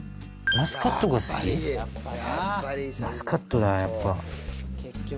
マスカットだやっぱ。